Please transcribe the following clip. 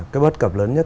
cái bất cập lớn nhất